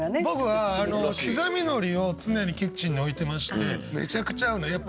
僕は刻みのりを常にキッチンに置いてましてめちゃくちゃ合うの。